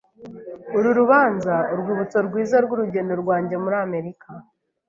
Uru ruzaba urwibutso rwiza rwurugendo rwanjye muri Amerika.